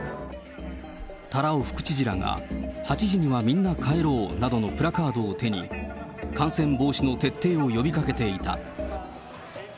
多羅尾副知事らが８時にはみんな帰ろうなどのプラカードを手に、感染防止の徹底を呼びかけていた。